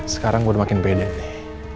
sekarang gue makin pede nih